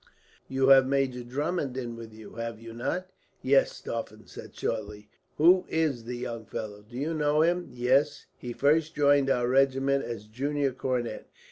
"You have Major Drummond in with you, have you not?" "Yes," Stauffen said shortly. "Who is the young fellow, do you know him?" "Yes, he first joined our regiment as junior cornet.